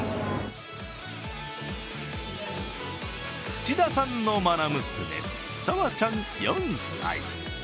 土田さんのまな娘、さわちゃん４歳。